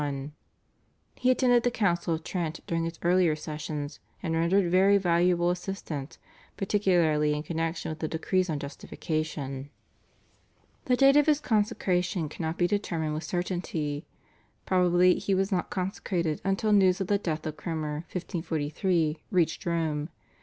He attended the Council of Trent during its earlier sessions, and rendered very valuable assistance, particularly in connexion with the decrees on Justification. The date of his consecration cannot be determined with certainty. Probably he was not consecrated until news of the death of Cromer (1543) reached Rome.